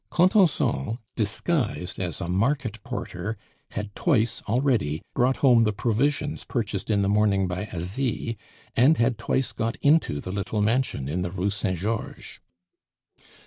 Contenson, disguised as a market porter, had twice already brought home the provisions purchased in the morning by Asie, and had twice got into the little mansion in the Rue Saint Georges.